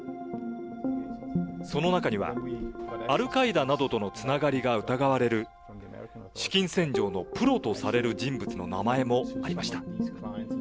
その中には、アルカイダなどとのつながりが疑われる、資金洗浄のプロとされる人物の名前もありました。